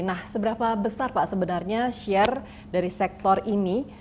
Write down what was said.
nah seberapa besar pak sebenarnya share dari sektor ini